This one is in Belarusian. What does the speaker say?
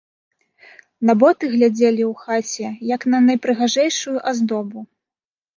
На боты глядзелі ў хаце, як на найпрыгажэйшую аздобу.